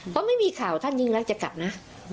เพราะไม่มีข่าวท่านยิ่งรักจะกลับนะ